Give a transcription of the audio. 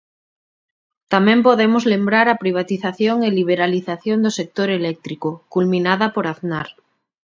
Tamén podemos lembrar a privatización e liberalización do sector eléctrico, culminada por Aznar.